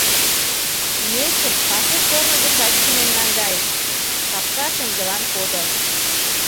Мечым пасу корно декат чумен наҥгайышт, капка шеҥгелан кодо.